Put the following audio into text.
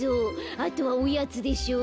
あとはおやつでしょ。